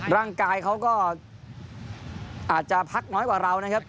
ร่างกายเขาก็อาจจะพักน้อยกว่าเรานะครับ